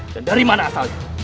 dan dari mana asalnya